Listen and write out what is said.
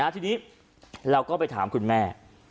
ทีนี้เราก็ไปถามคุณแม่